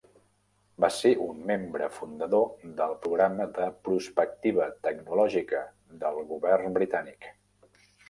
Va ser un membre fundador del programa de Prospectiva tecnològica del govern britànic.